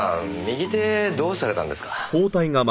右手どうされたんですか？